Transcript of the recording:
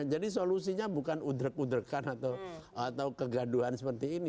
jadi solusinya bukan udrek udrekan atau kegaduhan seperti ini